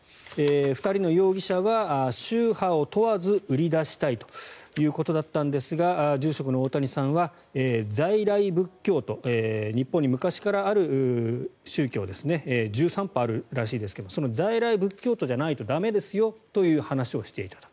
２人の容疑者は、宗派を問わず売り出したいということだったんですが住職の大谷さんは、在来仏教徒日本に昔からある宗教ですね１３派あるらしいですがその在来仏教徒じゃないと駄目ですよという話をしていた。